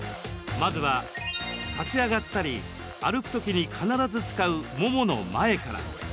まずは立ち上がったり歩くときに必ず使うももの前から。